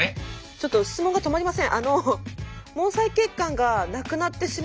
ちょっと質問が止まりません。